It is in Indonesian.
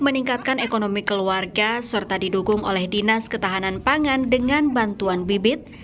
meningkatkan ekonomi keluarga serta didukung oleh dinas ketahanan pangan dengan bantuan bibit